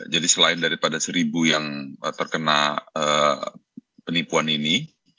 jadi selain daripada seribu yang terkena penipuan ini